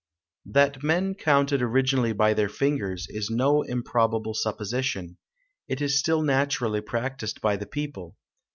That men counted originally by their fingers, is no improbable supposition; it is still naturally practised by the people.